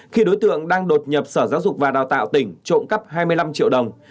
khi đối tượng đang đột nhập sở giáo dục và đào tạo tỉnh trộm cắp hai mươi năm triệu đồng